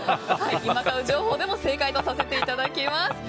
今買う情報でも正解とさせていただきます。